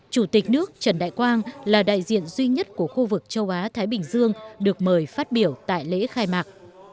chủ tịch nước trần đại quang là đại diện duy nhất của khu vực châu á thái bình dương được mời phát biểu tại lễ khai mạc